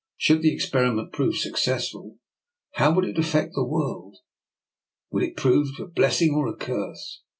Should the experiment prove suc cessful, how would it affect the world? Would it prove a blessing or a curse?